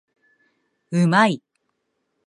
うまい